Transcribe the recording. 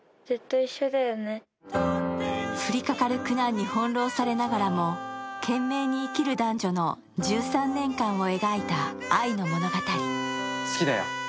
降りかかる苦難に翻弄されながらも懸命に生きる男女の１３年間を描いた愛の物語。